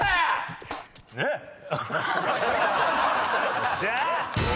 よっしゃ！